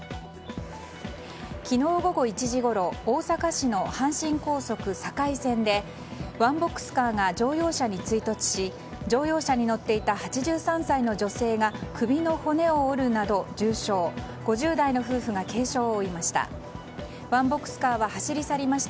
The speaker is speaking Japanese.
昨日午後１時ごろ大阪市の阪神高速堺線でワンボックスカーが乗用車に追突し乗用車に乗っていた８３歳の女性が首の骨を折るなど重傷５０代の夫婦が軽傷を負いました。